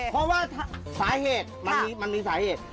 เพราะว่าสาเหตุมันมีสาเหตุ